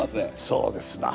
そうですな。